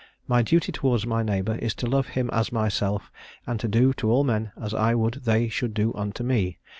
My duty towards my neighbour is to love him as myself, and to do to all men as I would they should do unto me.